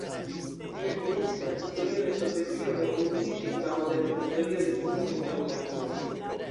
Tiel finiĝis la historio de Sovetio kaj komenciĝis la moderna historio de sendependa Ukrainio.